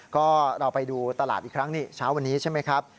ก็เราไปดูตลาดอีกครั้งนี่เช้าวันนี้ใช่ไหมครับ